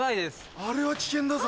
あれは危険だぞ。